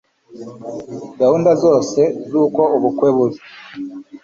gahunda zose zuko ubukwe buri